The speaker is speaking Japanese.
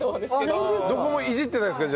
どこもいじってないですか？